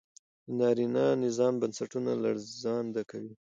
د نارينه نظام بنسټونه لړزانده کوي